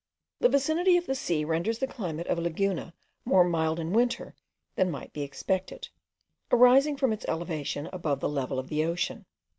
The vicinity of the sea renders the climate of Laguna more mild in winter than might be expected, arising from its elevation above the level of the ocean.